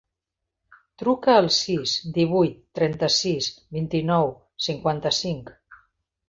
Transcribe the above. Truca al sis, divuit, trenta-sis, vint-i-nou, cinquanta-cinc.